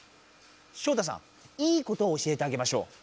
ショウタさんいいことを教えてあげましょう。